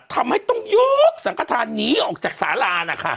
ทำให้ต้องยกสังฆาธารหนีออกจากสาลาน่ะค่ะ